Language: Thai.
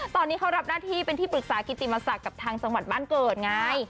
ตอนนี้เขารับหน้าที่เป็นที่ปรึกษากิติมศักดิ์กับทางจังหวัดบ้านเกิดไง